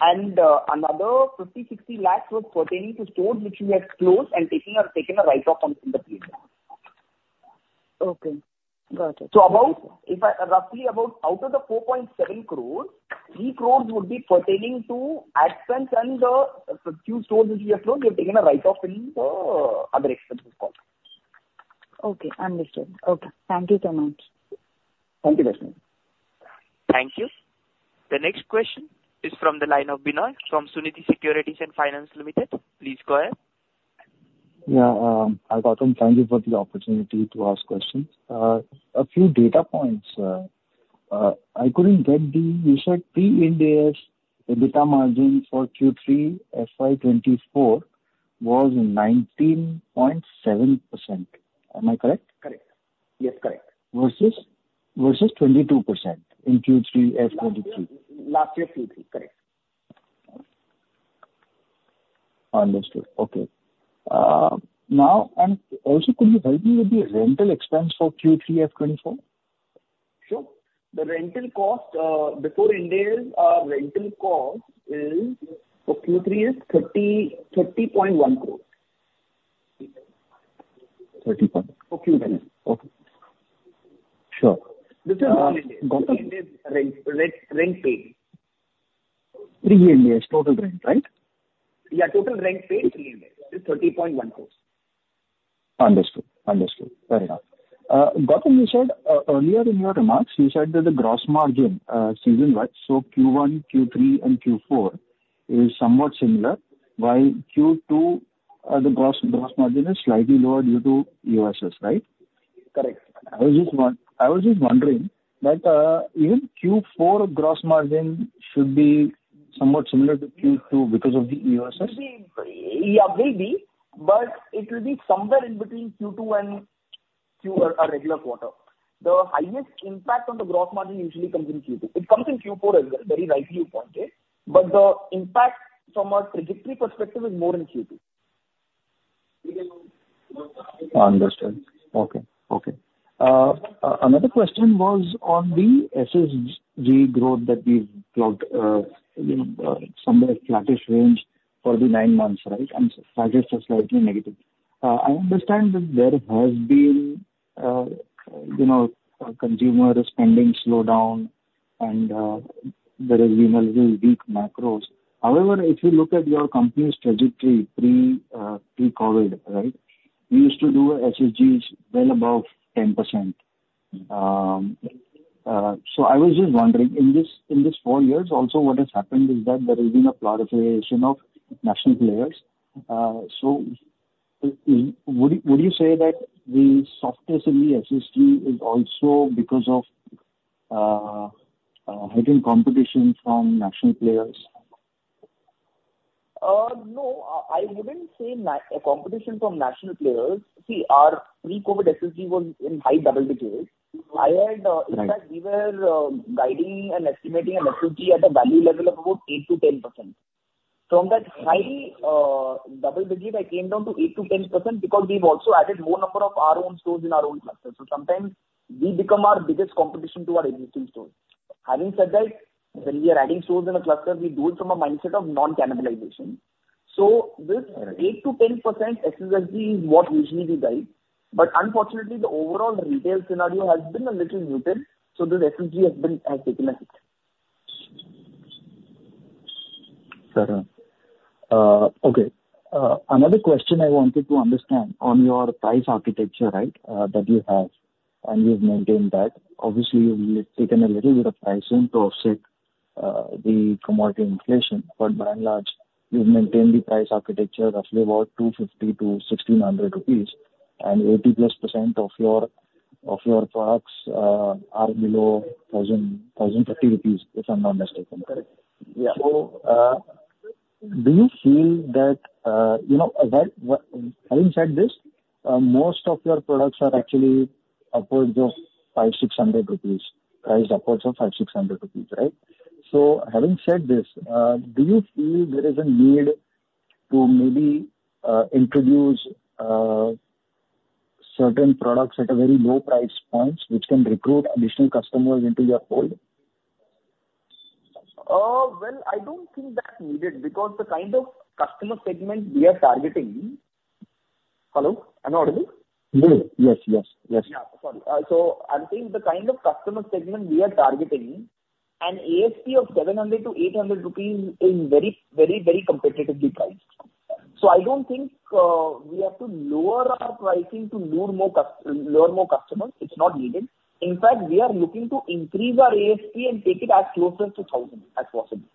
and another 50-60 lakh was pertaining to stores which we had closed and taking or taken a write-off on in the period. Okay. Got it. Roughly, out of the 4.7 crores, 3 crores would be pertaining to ad spends and the few stores which we have closed. We have taken a write-off in the other expenses cost. Okay, understood. Okay, thank you so much. Thank you, Vaishnavi. Thank you. The next question is from the line of Binoy from Sunidhi Securities and Finance Limited. Please go ahead. Yeah, hi, Gautam. Thank you for the opportunity to ask questions. A few data points. I couldn't get the—you said EBITDA in there—the EBITDA margin for Q3 FY24 was 19.7%. Am I correct? Correct. Yes, correct. Versus, versus 22% in Q3 FY 2023. Last year Q3, correct. Understood. Okay. Now, and also, could you help me with the rental expense for Q3 FY 2024? Sure. The rental cost, before Ind AS, our rental cost is for Q3 is INR 30.1 crore. Thirty point. Okay. Okay. Sure. This is, Gautam. Rent paid. Pre-Ind AS, total rent, right? Yeah, total rent paid pre-Ind AS there is 30.1 crore. Understood. Understood. Fair enough. Gautam, you said earlier in your remarks, you said that the gross margin season-wide, so Q1, Q3, and Q4, is somewhat similar, while Q2, the gross, gross margin is slightly lower due to EOSS, right? Correct. I was just wondering that, even Q4 gross margin should be somewhat similar to Q2 because of the EOSS? Maybe, yeah, maybe, but it will be somewhere in between Q2 and Q, a regular quarter. The highest impact on the gross margin usually comes in Q2. It comes in Q4 as well, very rightly you pointed, but the impact from a trajectory perspective is more in Q2. Understood. Okay. Okay. Another question was on the SSG growth that we've got, you know, somewhere flattish range for the nine months, right? And margins are slightly negative. I understand that there has been, you know, a consumer spending slowdown and, there has been a little weak macros. However, if you look at your company's trajectory pre, pre-COVID, right? You used to do SSGs well above 10%. So I was just wondering, in this, in this four years, also what has happened is that there has been a proliferation of national players. So, would you, would you say that the softness in the SSG is also because of, hidden competition from national players? No, I wouldn't say competition from national players. See, our pre-COVID SSG was in high double digits. Mm-hmm. I had- Right. In fact, we were guiding and estimating an SSG at a value level of about 8%-10%. From that high double-digit, I came down to 8%-10% because we've also added more number of our own stores in our own cluster. So sometimes we become our biggest competition to our existing stores. Having said that, when we are adding stores in a cluster, we do it from a mindset of non-cannibalization. So this 8%-10% SSG is what usually we guide, but unfortunately, the overall retail scenario has been a little muted, so the SSG has been affected like it. Got it. Okay. Another question I wanted to understand on your price architecture, right, that you have, and you've maintained that. Obviously, you've taken a little bit of pricing to offset the commodity inflation, but by and large, you've maintained the price architecture roughly about 250-1,600 rupees, and 80%+ of your, of your products are below 1,050 rupees, if I'm not mistaken. Correct. Yeah. So, do you feel that, you know, having said this, most of your products are actually upwards of 500-600 rupees, priced upwards of 500-600 rupees, right? So having said this, do you feel there is a need to maybe introduce certain products at a very low price points, which can recruit additional customers into your fold? Well, I don't think that's needed, because the kind of customer segment we are targeting... Hello, am I audible? Yes, yes, yes. Yeah, sorry. So I think the kind of customer segment we are targeting, an ASP of 700-800 rupees is very, very, very competitively priced. So I don't think we have to lower our pricing to lure more customers. It's not needed. In fact, we are looking to increase our ASP and take it as closest to 1,000 as possible.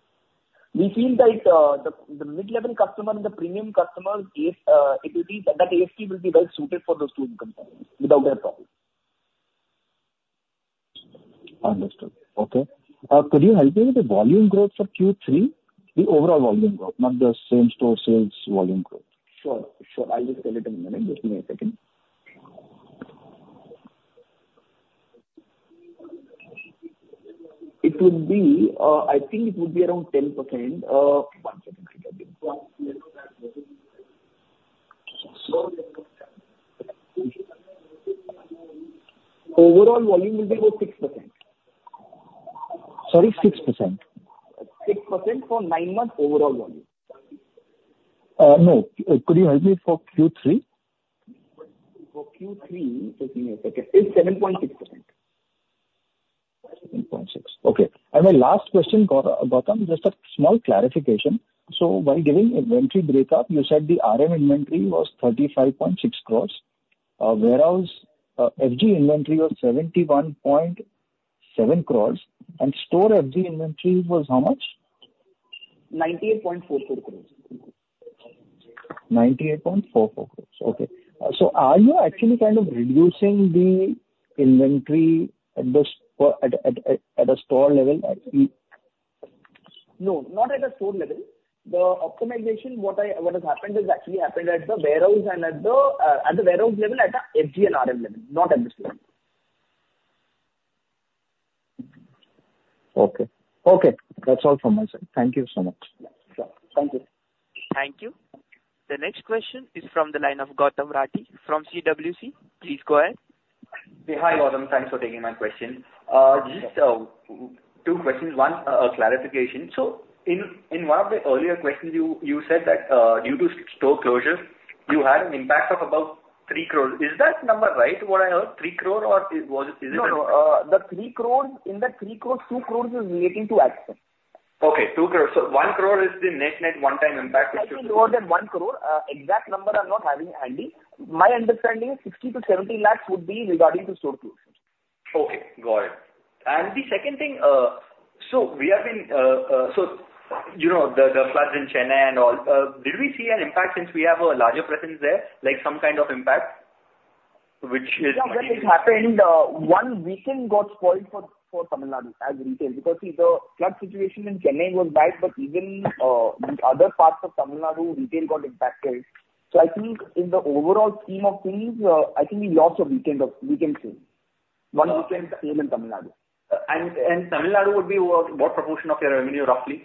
We feel that the mid-level customer and the premium customer, ASP, it will be, that ASP will be well suited for those two components without a problem. Understood. Okay. Could you help me with the volume growth for Q3? The overall volume growth, not the same-store sales volume growth. Sure. Sure. I'll just tell it in a minute. Just give me a second. It would be, I think it would be around 10%. One second, I get it. Overall volume will be about 6%. Sorry, 6%? 6% for nine month overall volume. No. Could you help me for Q3? For Q3, just give me a second. It's 7.6%. 7.6. Okay. My last question, Gautam, just a small clarification. So when giving inventory breakup, you said the RM inventory was 35.6 crores, warehouse FG inventory was 71.7 crores, and store FG inventory was how much? 98.44 crore. 98.44 crore. Okay. So are you actually kind of reducing the inventory at the store level actually? No, not at the store level. The optimization, what has happened is actually happened at the warehouse and at the warehouse level, at a FG and RM level, not at the store. Okay. Okay, that's all from my side. Thank you so much. Sure. Thank you. Thank you. The next question is from the line of Gautam Rathi, from CWC. Please go ahead. Hi, Gautam. Thanks for taking my question. Just two questions, one, a clarification. So in one of the earlier questions, you said that, due to store closures, you had an impact of about 3 crores. Is that number right, what I heard? 3 crore or it was, is it- No, no. The 3 crores, in the 3 crores, 2 crores is relating to ad spend. Okay, 2 crore. So 1 crore is the net-net one-time impact- Actually lower than 1 crore. Exact number I'm not having handy. My understanding is 60 lakhs-INR70 lakhs would be regarding to store closures. Okay, got it. And the second thing, so we have been... So you know, the floods in Chennai and all, did we see an impact since we have a larger presence there, like, some kind of impact, which is? Yeah, when it happened, one weekend got spoiled for, for Tamil Nadu as retail. Because, see, the flood situation in Chennai was bad, but even, the other parts of Tamil Nadu, retail got impacted. So I think in the overall scheme of things, I think we lost a weekend of- weekend sales. One weekend sale in Tamil Nadu. Tamil Nadu would be what proportion of your revenue, roughly?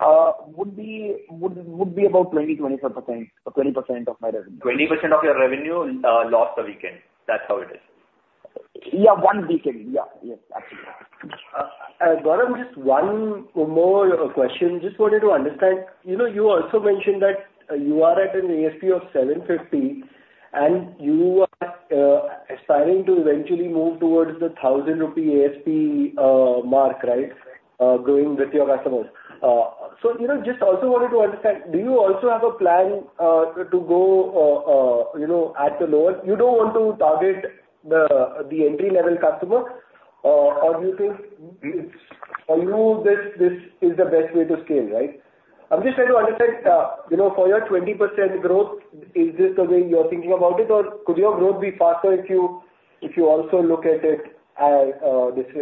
Would be about 20%-25% or 20% of my revenue. 20% of your revenue, lost a weekend, that's how it is? Yeah, one weekend. Yeah, yeah, absolutely. Gautam, just one more question. Just wanted to understand, you know, you also mentioned that you are at an ASP of 750, and you are, aspiring to eventually move towards the 1,000 rupee ASP mark, right? Growing with your customers. So, you know, just also wanted to understand, do you also have a plan, to go, you know, at the lower... You don't want to target the, the entry-level customer, or you think, for you, this, this is the best way to scale, right? I'm just trying to understand, you know, for your 20% growth, is this the way you're thinking about it, or could your growth be faster if you, if you also look at it,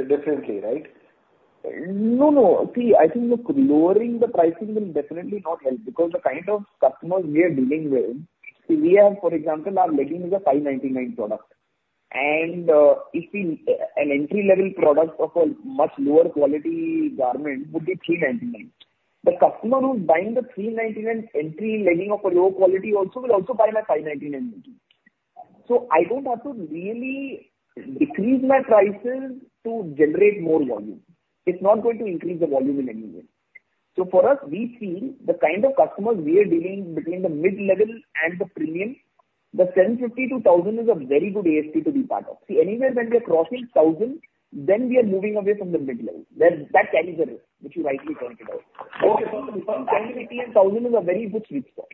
differently, right? No, no. See, I think look, lowering the pricing will definitely not help, because the kind of customers we are dealing with, we have, for example, our leggings is a 599 product. And, if an entry-level product of a much lower quality garment would be 399. The customer who's buying the 399 entry leggings of a low quality also will also buy my 599 leggings. So I don't have to really decrease my prices to generate more volume. It's not going to increase the volume in any way. So for us, we see the kind of customers we are dealing between the mid-level and the premium, the 1,050-1,000 is a very good ASP to be part of. See, anywhere when we are crossing 1,000, then we are moving away from the mid-level, where that carries a risk, which you rightly pointed out. Okay. So between INR 900 and 1,000 is a very good sweet spot.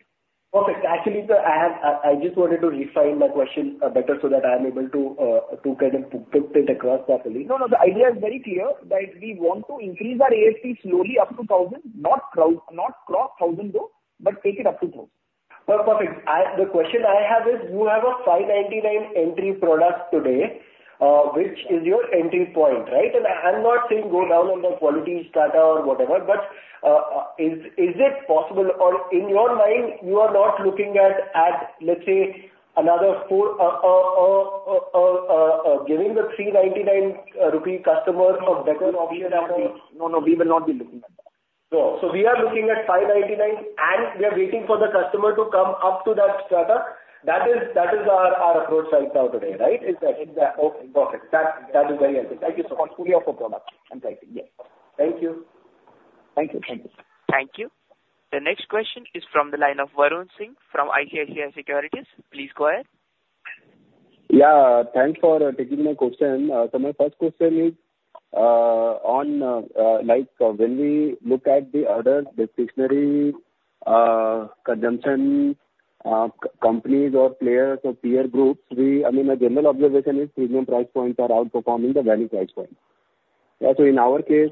Perfect. Actually, sir, I have. I just wanted to refine my question better so that I am able to kind of put it across properly. No, no, the idea is very clear, that we want to increase our ASP slowly up to 1,000, not cross 1,000, though, but take it up to 1,000. Well, perfect. The question I have is: You have a 599 entry product today, which is your entry point, right? And I'm not saying go down on the quality strata or whatever, but is it possible or in your mind, you are not looking at, let's say, another four, giving the 399 rupee customer for better option at all? No, no, we will not be looking at that. So, so we are looking at 599, and we are waiting for the customer to come up to that strata. That is, that is our, our approach right now today, right? Is that- Exactly. Okay, perfect. That, that is very helpful. Thank you so much. Portfolio for product. I'm saying, yes. Thank you. Thank you. Thank you. Thank you. The next question is from the line of Varun Singh from ICICI Securities. Please go ahead. Yeah, thanks for taking my question. So my first question is, on, like, when we look at the other discretionary, consumption, companies or players or peer groups, we, I mean, the general observation is premium price points are outperforming the value price points. Yeah, so in our case,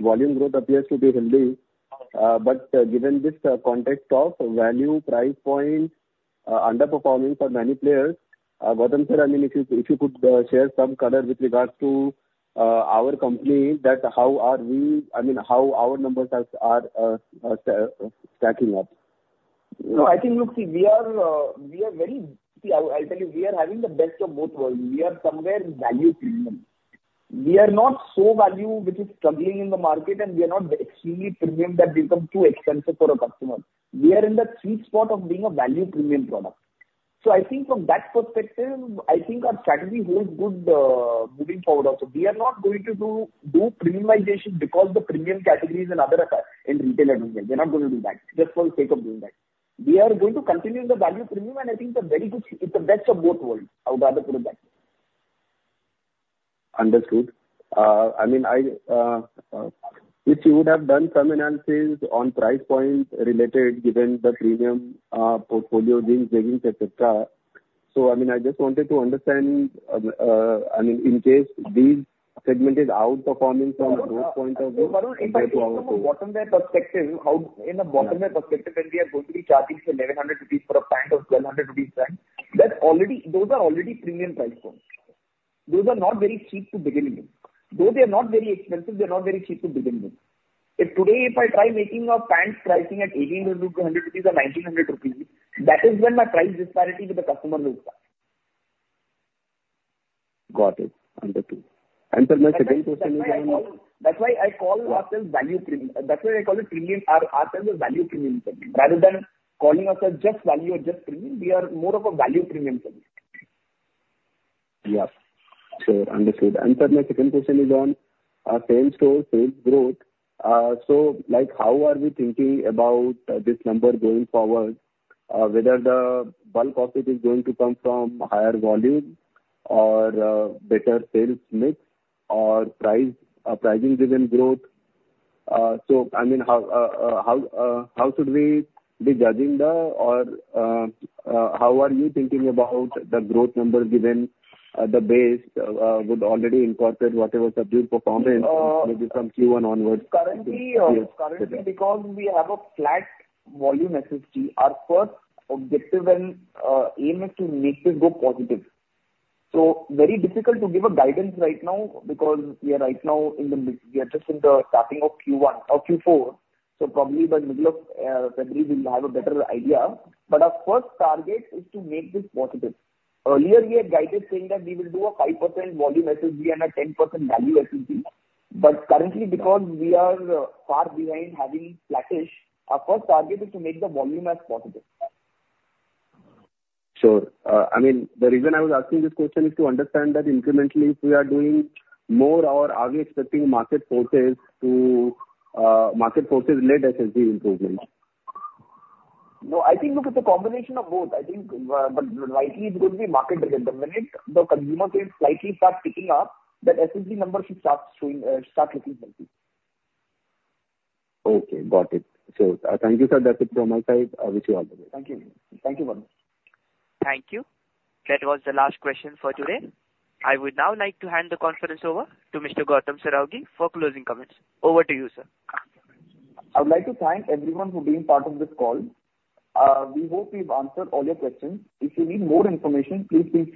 volume growth appears to be healthy, but, given this, context of value price point, underperforming for many players, Gautam sir, I mean, if you, if you could, share some color with regards to, our company, that how are we... I mean, how our numbers are, stacking up? No, I think you see, we are, we are very, see, I, I'll tell you, we are having the best of both worlds. We are somewhere in value premium. We are not so value, which is struggling in the market, and we are not extremely premium that become too expensive for a customer. We are in the sweet spot of being a value premium product. So I think from that perspective, I think our strategy holds good, moving forward also. We are not going to do, do premiumization because the premium category is in other, in retail and wholesale. We're not going to do that just for the sake of doing that. We are going to continue in the value premium, and I think the very good, it's the best of both worlds, I would rather put it that way. Understood. I mean, if you would have done some analysis on price point related, given the premium portfolio jeans, leggings, et cetera. So, I mean, I just wanted to understand, I mean, in case this segment is outperforming from growth point of view- Varun, if I think from a bottom-wear perspective, how, in a bottom-wear perspective, when we are going to be charging INR 1,100 for a pant or INR 1,200 pant, that's already, those are already premium price points. Those are not very cheap to begin with. Though they are not very expensive, they are not very cheap to begin with. If today, if I try making a pants pricing at 1,800 or 1,900 rupees, that is when my price disparity to the customer looks bad. Got it. Understood. And sir, my second question is- That's why I call ourselves value premium. That's why I call it premium ourselves a value premium segment. Rather than calling ourselves just value or just premium, we are more of a value premium segment. Yes. Sure, understood. Sir, my second question is on same store sales growth. So, like, how are we thinking about this number going forward? Whether the bulk of it is going to come from higher volume or better sales mix, or price pricing driven growth? So I mean, how should we be judging or how are you thinking about the growth numbers, given the base would already incorporate whatever subdued performance, maybe from Q1 onwards? Currently, currently, because we have a flat volume SSG, our first objective and aim is to make this go positive. So very difficult to give a guidance right now, because we are right now in the mid- we are just in the starting of Q1 or Q4, so probably by the middle of February, we'll have a better idea. But our first target is to make this positive. Earlier, we had guided saying that we will do a 5% volume SSG and a 10% value SSG, but currently, because we are far behind having flattish, our first target is to make the volume as positive. Sure. I mean, the reason I was asking this question is to understand that incrementally, if we are doing more or are we expecting market forces to, market forces-led SSG improvements? No, I think, look, it's a combination of both. I think, but likely it's going to be market-driven. The minute the consumer trends slightly start ticking up, the SSG numbers should start showing, start looking healthy. Okay, got it. Thank you, sir. That's it from my side. I wish you all the best. Thank you. Thank you, Varun. Thank you. That was the last question for today. I would now like to hand the conference over to Mr. Gautam Saraogi for closing comments. Over to you, sir. I would like to thank everyone for being part of this call. We hope we've answered all your questions. If you need more information, please feel free-